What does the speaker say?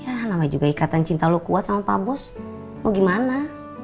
ya namanya juga ikatan cinta lo kuat sama pak bos mau gimana